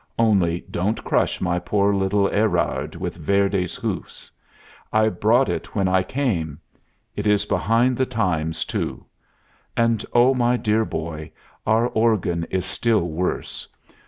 Only don't crush my poor little Erard with Verdi's hoofs. I brought it when I came. It is behind the times, too. And, oh, my dear boy, our organ is still worse.